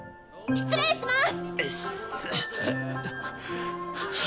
失礼します。